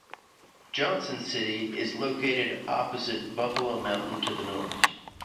Johnson City is located opposite Buffalo Mountain to the north.